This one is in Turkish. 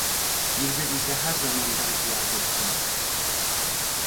Birbirimize her zamandan ziyade uzağız!